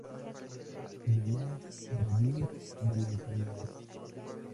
Gene Reviews de la enfermedad